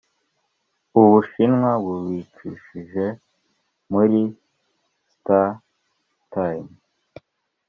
u bushinwa bubicishije muri startimes